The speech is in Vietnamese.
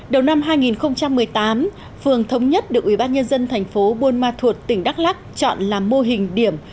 đầu năm hai nghìn một mươi tám phường thống nhất được ủy ban nhân dân thành phố buôn ma thuột tỉnh đắk lắc chọn làm mô hình điểm